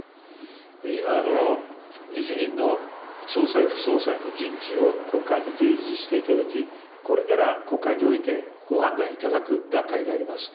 今、日銀の総裁、副総裁の人事を国会に提示していただき、これから国会において、ご判断いただく段階であります。